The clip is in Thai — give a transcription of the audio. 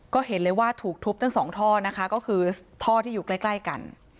ก็เห็นเลยว่าถูกทุบทั้งสองท่อนะคะก็คือท่อที่อยู่ใกล้กัน